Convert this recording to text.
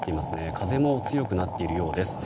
風も強まっているようです。